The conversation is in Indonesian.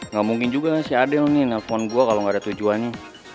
nggak mungkin juga si ade nelfon gue kalau nggak ada tujuannya